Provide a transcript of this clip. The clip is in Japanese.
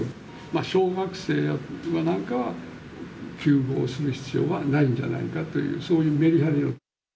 小学生やなんかは、休校をする必要はないんじゃないかという、そういうメリハリを。